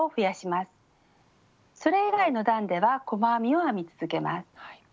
それ以外の段では細編みを編み続けます。